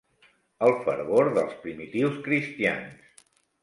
El fervor dels primitius cristians.